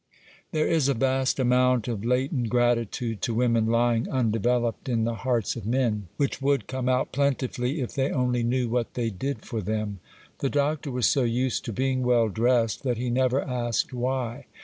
There is a vast amount of latent gratitude to women lying undeveloped in the hearts of men, which would come out plentifully, if they only knew what they did for them. The Doctor was so used to being well dressed, that he never asked why.